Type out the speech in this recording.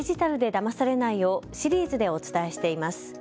だまされないをシリーズでお伝えしています。